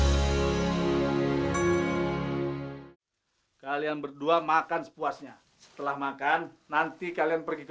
hai kalian berdua makan sepuasnya setelah makan nanti kalian pergi ke